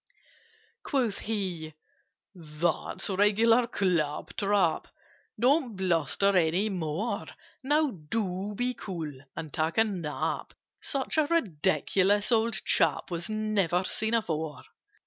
Quoth he "That's regular clap trap: Don't bluster any more. Now do be cool and take a nap! Such a ridiculous old chap Was never seen before!